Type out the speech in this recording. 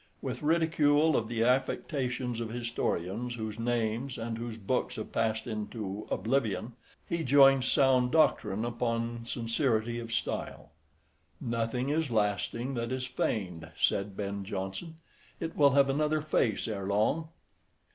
With ridicule of the affectations of historians whose names and whose books have passed into oblivion, he joins sound doctrine upon sincerity of style. "Nothing is lasting that is feigned," said Ben Jonson; "it will have another face ere long."